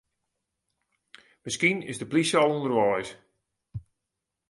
Miskien is de plysje al ûnderweis.